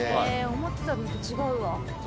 思ってたのと違う。